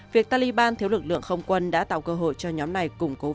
việc taliban thiếu lực lượng không quân đã tạo cơ hội cho nhóm này